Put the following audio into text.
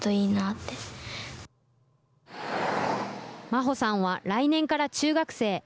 真歩さんは来年から中学生。